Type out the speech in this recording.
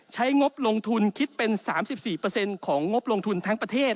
งบลงทุนคิดเป็น๓๔ของงบลงทุนทั้งประเทศ